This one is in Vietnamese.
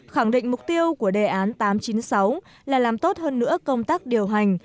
khẳng định mục tiêu của đề án tám trăm chín mươi sáu là làm tốt hơn nữa công tác điều hành